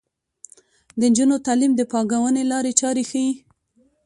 د نجونو تعلیم د پانګونې لارې چارې ښيي.